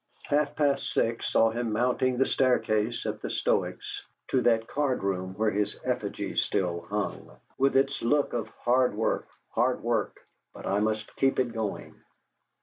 Half past six saw him mounting the staircase at the Stoics' to that card room where his effigy still hung, with its look of "Hard work, hard work; but I must keep it going!"